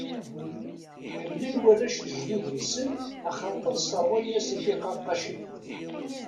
Ḥemmlen warrac lejdud-nsen axaṭer sserwayen-asen tiqaqqacin.